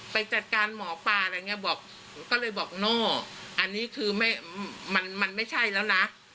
ไปจัดการหมอปลาอะไรอย่างนี้บอกก็เลยบอกโน่อันนี้คือมันไม่ใช่แล้วนะ